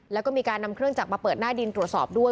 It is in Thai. แล้วก็มีการนำเครื่องจักรมาเปิดหน้าดินตรวจสอบด้วย